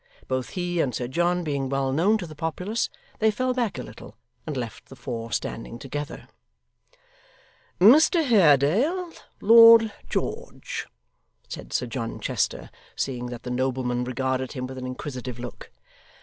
Both he and Sir John being well known to the populace, they fell back a little, and left the four standing together. 'Mr Haredale, Lord George,' said Sir John Chester, seeing that the nobleman regarded him with an inquisitive look.